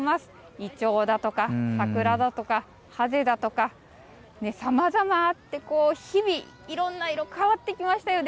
イチョウだとか、サクラだとかさまざまあって日々、いろんな色変わってきましたよね。